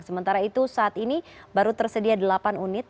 sementara itu saat ini baru tersedia delapan unit